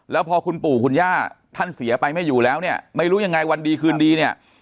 แล้วพอคุณปู่คุณย่าท่านเสียไปไม่อยู่แล้วเนี่ยไม่รู้ยังไงวันดีคืนดีเนี่ย